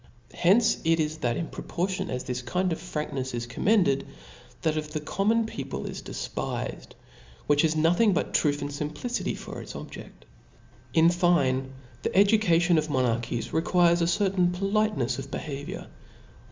Hence it is^^ that in proportion as this kind of franknefs is Commended, that of the common peo* pie is defpifed, which has nothing t>ut truth and fimpHcity for its objeft. In fine, the education of monarchies requires a certain politenefs of behaviour.